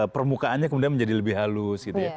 permukaannya kemudian menjadi lebih halus